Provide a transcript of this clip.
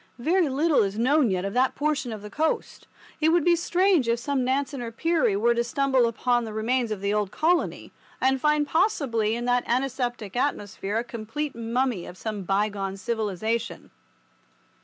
Very little is known yet of that portion of the coast. It would be strange if some Nansen or Peary were to stumble upon the remains of the old colony, and find possibly in that antiseptic atmosphere a complete mummy of some bygone civilization.